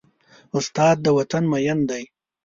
استاد د وطن مین دی.